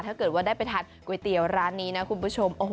ถ้าเกิดว่าได้ไปทานก๋วยเตี๋ยวร้านนี้นะคุณผู้ชม